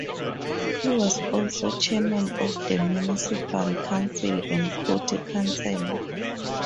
He was also chairman of the municipal council and county councilor.